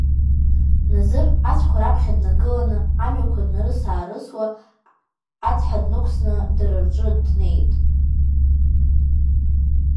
Назыр ацәқәа раԥхьа днагылан, амҩақәа днарныс-аарнысуа ацҳа днықәсын дара рҿы днеит.